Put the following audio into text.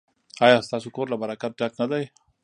ایا ستاسو کور له برکت ډک نه دی؟